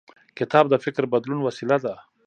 کتاب د فکر بدلون وسیله ده.